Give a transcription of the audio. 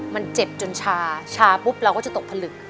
มันเจ็บจนชาชาปุ๊บเราก็จะตกผลึก